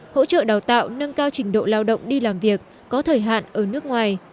hỗ trợ đào tạo nâng cao trình độ lao động đi làm việc có thời hạn ở nước ngoài